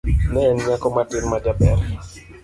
Ne en nyako matin majaber.